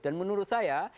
dan menurut saya